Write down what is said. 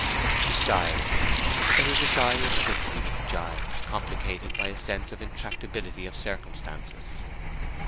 She sighed; it was a sigh of sympathy with Giles, complicated by a sense of the intractability of circumstances.